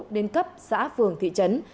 đến cấp xã phường thị trấn